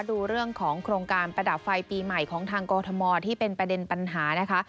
ดูเรื่องของโครงการประดับไฟปีใหม่ของทางกรทมที่เป็นประเด็นปัญหานะคะ